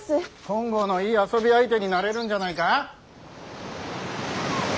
金剛のいい遊び相手になれるんじゃないか。